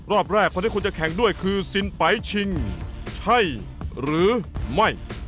รอบแรกคนที่คุณจะแข่งด้วยคือซินไปชิงใช่หรือไม่